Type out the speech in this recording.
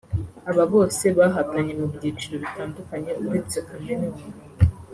Aba bose bahatanye mu byiciro bitandukanye uretse Chameleone